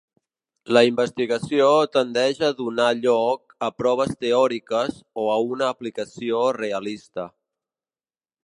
La investigació tendeix a donar lloc a proves teòriques o a una aplicació realista.